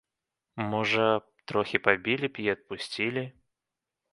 Можа, трохі пабілі б і адпусцілі.